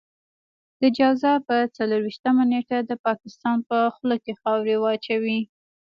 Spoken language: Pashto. د جوزا په څلور وېشتمه نېټه د پاکستان په خوله کې خاورې واچوئ.